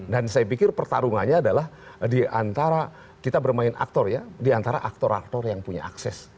saya pikir pertarungannya adalah diantara kita bermain aktor ya diantara aktor aktor yang punya akses